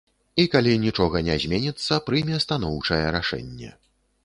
І калі нічога не зменіцца, прыме станоўчае рашэнне.